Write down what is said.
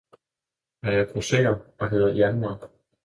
Jeg er grosserer og hedder Januar.